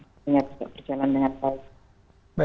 sehingga bisa berjalan dengan baik